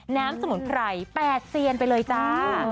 สมุนไพร๘เซียนไปเลยจ้า